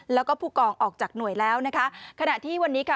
แล้วก็ผู้กองออกจากหน่วยแล้วนะคะขณะที่วันนี้ค่ะ